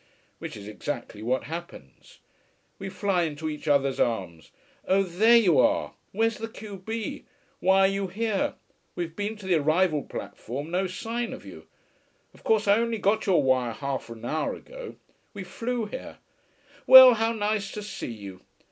Which is exactly what happens. We fly into each other's arms. "Oh there you are! Where's the q b? Why are you here? We've been to the arrival platform no sign of you. Of course I only got your wire half an hour ago. We flew here. Well, how nice to see you.